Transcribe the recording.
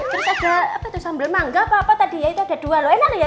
terus ada apa tuh sambal mangga apa apa tadi ya itu ada dua loh enak ya